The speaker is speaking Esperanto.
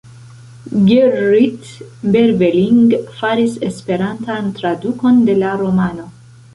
Gerrit Berveling faris esperantan tradukon de la romano.